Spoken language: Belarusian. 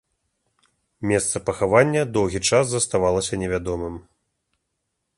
Месца пахавання доўгі час заставалася невядомым.